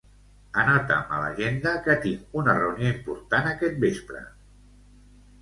Anota'm a l'agenda que tinc una reunió important aquest vespre.